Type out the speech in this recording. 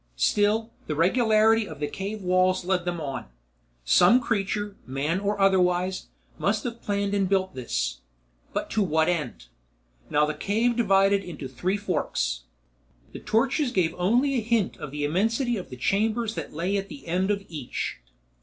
Still, the regularity of the cave walls led them on. Some creature, man or otherwise, must have planned and built this ... but to what end? Now the cave divided into three forks. The torches gave only a hint of the immensity of the chambers that lay at the end of each.